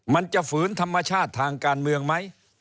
มันจะฝืนธรรมชาติทางการเมืองไหม